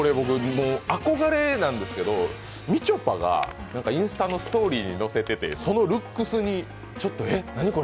憧れなんですけどみちょぱがインスタのストーリーにのせててそのルックスに、何これ？